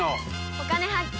「お金発見」。